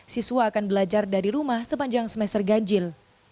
siswa akan belajar dari rumah sepanjang semester ganjil